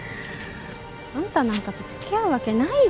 あんたなんかと付き合うわけないじゃん